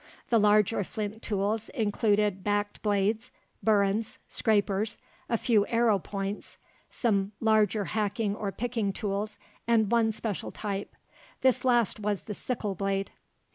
The larger flint tools included backed blades, burins, scrapers, a few arrow points, some larger hacking or picking tools, and one special type. This last was the sickle blade.